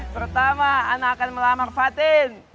pertama ana akan melamar fatin